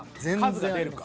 数が出るか。